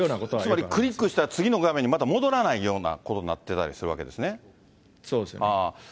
つまりクリックしたら次の画面にまた戻らないようなことになそうですね。